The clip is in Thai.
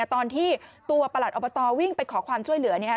ตอนที่ตัวประหลัดอบตวิ่งไปขอความช่วยเหลือเนี่ย